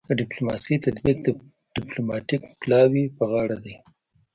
د ډیپلوماسي تطبیق د ډیپلوماتیک پلاوي په غاړه دی